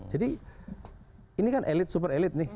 jadi ini kan elit super elit nih